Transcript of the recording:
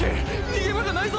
逃げ場がないぞ！！